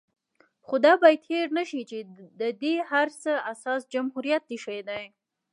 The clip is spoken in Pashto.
خو دا بايد هېر نشي چې د دې هر څه اساس جمهوريت ايښی دی